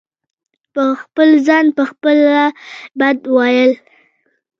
په خپل ځان په خپله بد وئيل